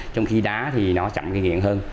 trong khi đá thì nó chậm kinh nghiệm hơn